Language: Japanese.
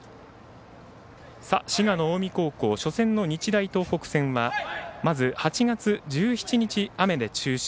滋賀の近江高校初戦の日大東北戦はまず８月１７日、雨で中止。